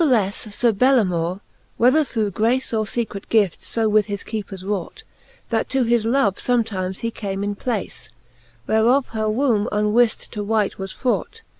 Nathleffe Sir Bellamour, whether through grace, Or fecret guifts, fo with his keepers wrought. That to his love fometimes he came in place, Whereof her wombe unwift to wight was fraught.